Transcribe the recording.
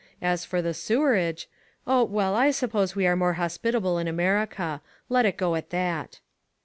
As for the sewerage oh, well, I suppose we are more hospitable in America. Let it go at that.